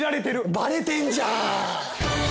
バレてんじゃん。